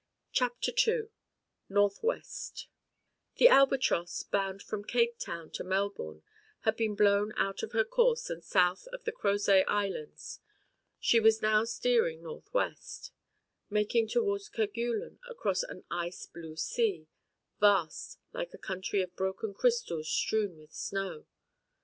CHAPTER II NORTH WEST The Albatross, bound from Cape Town to Melbourne, had been blown out of her course and south of the Crozet Islands; she was now steering north west, making towards Kerguelen, across an ice blue sea, vast, like a country of broken crystal strewn with snow.